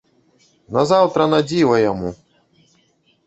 Назаўтра на дзіва яму!